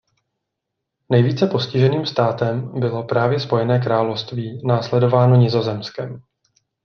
Nejvíce postiženým státem bylo právě Spojené království následováno Nizozemskem.